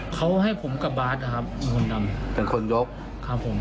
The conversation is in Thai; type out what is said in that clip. เขาให้ผมกับบาทครับเป็นคนยก